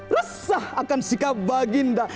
resah akan sikap baginda